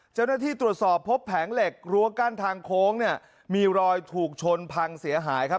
เจ้าหน้าที่ตรวจสอบพบแผงเหล็กรั้วกั้นทางโค้งเนี่ยมีรอยถูกชนพังเสียหายครับ